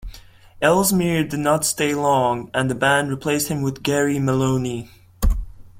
Ellesmere did not stay long, and the band replaced him with Gary Maloney.